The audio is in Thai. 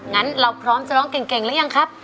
งั้นเราพร้อมจะร้องเก่งหรือยังครับ